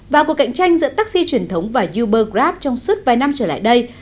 và cuộc cạnh tranh giữa taxi truyền thống và uber grab trong suốt vài năm trở lại đây